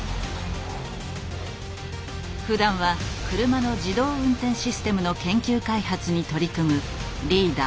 ふだんは車の自動運転システムの研究開発に取り組むリーダー